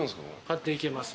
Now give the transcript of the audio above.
買っていけます。